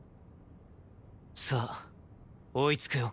さあ追いつくよ。